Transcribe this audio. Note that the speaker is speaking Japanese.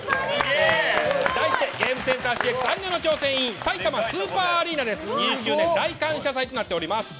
題して「ゲームセンターＣＸ有野の挑戦ｉｎさいたまスーパーアリーナ２０周年大感謝祭」となっております。